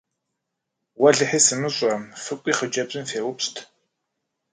Уэлэхьи, сымыщӏэ, фыкӏуи хъыджэбзым феупщӏыт!